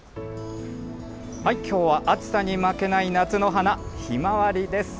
きょうは、暑さに負けない夏の花、ヒマワリです。